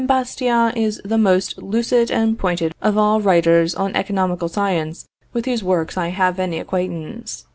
Bastiat is the most lucid and pointed of all writers on economical science with whose works I have any acquaintance.